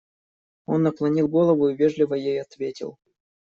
Он наклонил голову и вежливо ей ответил.